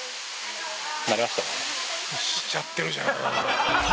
「しちゃってるじゃん！」